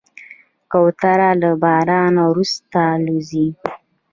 کوتره له باران وروسته الوزي.